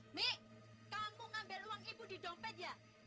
mik kamu ngambil uang ibu di dompet ya